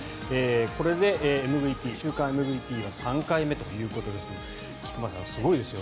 これで週間ＭＶＰは３回目ということですが菊間さん、すごいですよ。